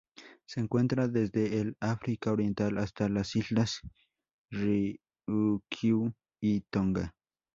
Se encuentra desde el África Oriental hasta las Islas Ryukyu y Tonga.